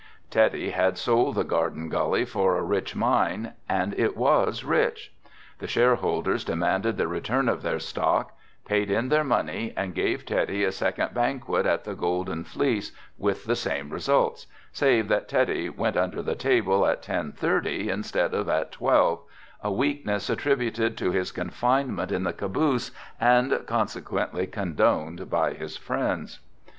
Teddy had sold the Garden Gully for a rich mine and it was rich. The shareholders demanded the return of their stock, paid in their money and gave Teddy a second banquet at the Golden Fleece, with the same results, save that Teddy went under the table at ten thirty instead of at twelve, a weakness attributed to his confinement in the caboose and consequently condoned by his friends.